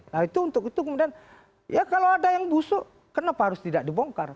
nah itu untuk itu kemudian ya kalau ada yang busuk kenapa harus tidak dibongkar